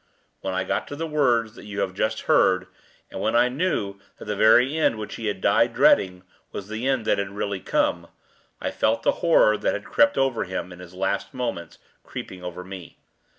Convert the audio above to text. When I got to the words that you have just heard, and when I knew that the very end which he had died dreading was the end that had really come, I felt the horror that had crept over him in his last moments creeping over me.